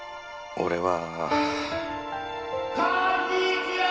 俺は。